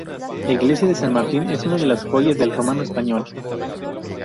La iglesia de San Martín es una de las joyas del románico español.